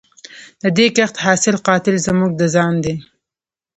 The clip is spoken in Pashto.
د دې کښت حاصل قاتل زموږ د ځان دی